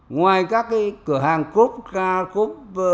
ngoài các cái cửa hàng coop